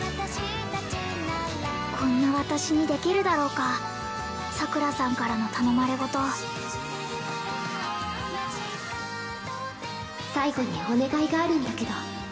こんな私にできるだろうか桜さんからの頼まれごと最後にお願いがあるんだけど